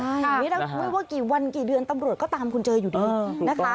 อย่างนี้แล้วไม่ว่ากี่วันกี่เดือนตำรวจก็ตามคุณเจออยู่ดีนะคะ